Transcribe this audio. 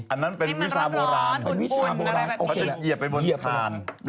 อันนั้นเป็นวีฟศาสตร์โบราณ